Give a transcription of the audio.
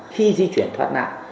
khi di chuyển thoát nạn